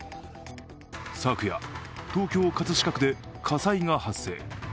昨夜、東京・葛飾区で火災が発生。